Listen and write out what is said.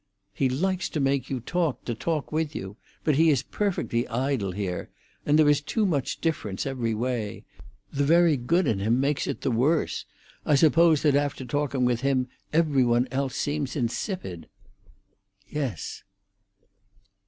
"He likes to make you talk, and to talk with you. But he is perfectly idle here, and—there is too much difference, every way. The very good in him makes it the worse. I suppose that after talking with him every one else seems insipid." "Yes."